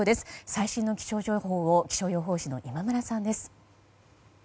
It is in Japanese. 最新の気象情報を気象予報士の今村さんです。